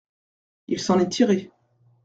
Il s’en est tiré.